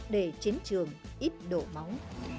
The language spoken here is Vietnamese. đề chiến trường ít đổ máu